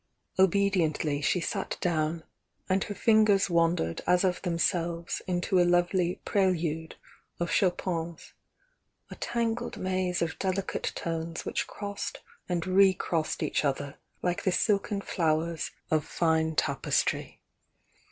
Obediently she sat down, and her fingers wandered as of themselves into a lovply "prelude" of Chopin's — a tangled maze of delicate tones which crossed and recrossed each other like the silken flowers of fine tapestry.